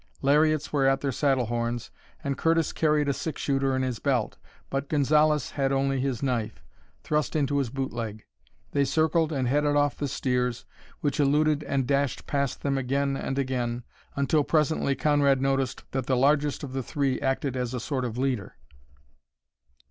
Lariats were at their saddle horns, and Curtis carried a six shooter in his belt, but Gonzalez had only his knife, thrust into his boot leg. They circled and headed off the steers, which eluded and dashed past them again and again, until presently Conrad noticed that the largest of the three acted as a sort of leader.